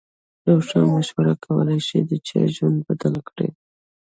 یوه ښه مشوره کولای شي د چا ژوند بدل کړي.